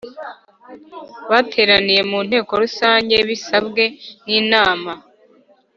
bateraniye mu Nteko Rusange bisabwe n Inama